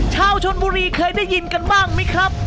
ชาวชนบุรีเคยได้ยินกันบ้างไหมครับ